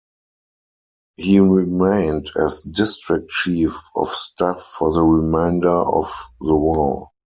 He remained as district chief of staff for the remainder of the war.